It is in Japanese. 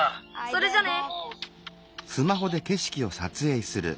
それじゃね！